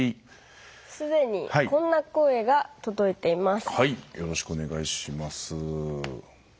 すでにこんな声が届いています。